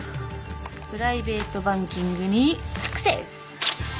プライベートバンキングにアクセス！